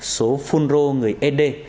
số phun rô người ế đề